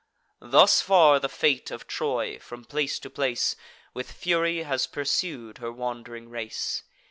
Thus far the fate of Troy, from place to place, With fury has pursued her wand'ring race.